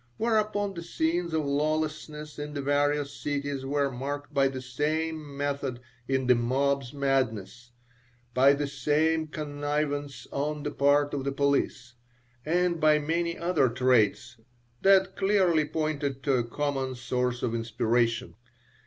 Whereupon the scenes of lawlessness in the various cities were marked by the same method in the mob's madness, by the same connivance on the part of the police, and by many other traits that clearly pointed to a common source of inspiration.